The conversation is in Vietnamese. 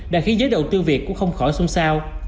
đã khiến giới đầu tư việt cũng không khỏi sung sao